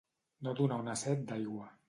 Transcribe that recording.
No donar una set d'aigua.